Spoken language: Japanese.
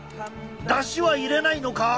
だしは入れないのか？